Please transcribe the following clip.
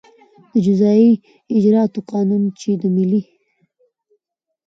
د جزایي اجراآتو قانون چې د ملي